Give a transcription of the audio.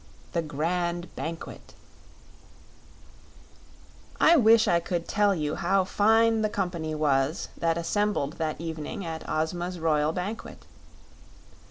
The Grand Banquet I wish I could tell you how fine the company was that assembled that evening at Ozma's royal banquet.